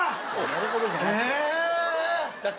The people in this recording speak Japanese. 「なるほど」じゃなくて。